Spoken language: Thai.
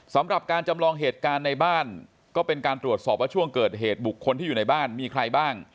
สำหรับการจำลองเหตุการณ์ในบ้านก็เป็นการตรวจสอบว่าช่วงเกิดเหตุบุคคลที่อยู่ในบ้านมีใครบ้าง